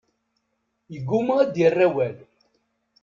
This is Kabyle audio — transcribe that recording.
Yeggumma ad d-yerr awal.